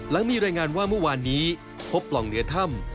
หลังมีรายงานว่าเมื่อวานนี้พบปล่องเหนือถ้ำ